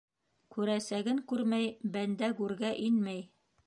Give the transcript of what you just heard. Күрәсәген күрмәй - бәндә гүргә инмәй.